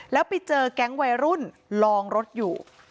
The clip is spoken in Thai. แล้วไปเจอแก๊งวัยรุ่นลองรถอยู่